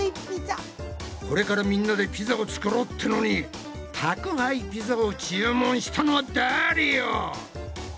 これからみんなでピザを作ろうってのに宅配ピザを注文したのは誰よ！？